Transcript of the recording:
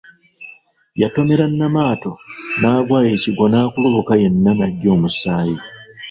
Yatomera Namaato n'agwa ekigwo n'akulubuka yenna n'ajja n'omusaayi.